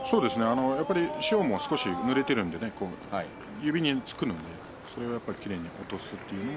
塩が少しぬれているので指につくのでそれをきれいに落とすという意味でも。